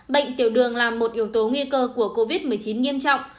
bệnh tiểu đường là một yếu tố nguy cơ của covid một mươi chín nghiêm trọng